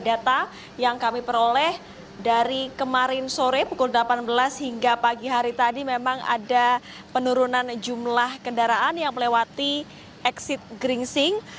sejak jam delapan belas hingga pagi hari tadi memang ada penurunan jumlah kendaraan yang melewati eksit geringsing